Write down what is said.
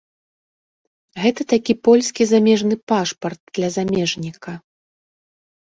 Гэта такі польскі замежны пашпарт для замежніка.